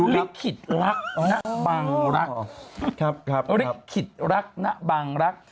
ลิขิตรักหน้าบังรักลิขิตรักหน้าบังรัก